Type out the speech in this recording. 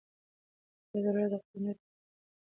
حیات الله د قمرۍ د پښو نښو ته په کټ مټه ځمکه کې کتل.